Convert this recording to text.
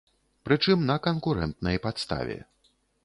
Прычым, на канкурэнтнай падставе.